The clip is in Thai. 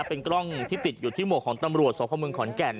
เป็นกล้องที่ติดอยู่ที่หมวกของตำรวจสพเมืองขอนแก่น